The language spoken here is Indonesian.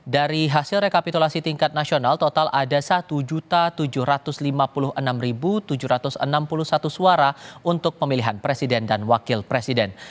dari hasil rekapitulasi tingkat nasional total ada satu tujuh ratus lima puluh enam tujuh ratus enam puluh satu suara untuk pemilihan presiden dan wakil presiden